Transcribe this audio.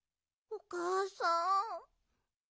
おかあさん！